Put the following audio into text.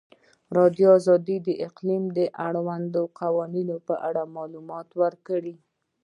ازادي راډیو د اقلیم د اړونده قوانینو په اړه معلومات ورکړي.